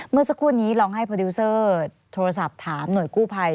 เมื่อสักครู่นี้ลองให้โปรดิวเซอร์โทรศัพท์ถามหน่วยกู้ภัย